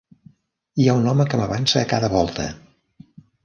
Hi ha un home que m'avança a cada volta.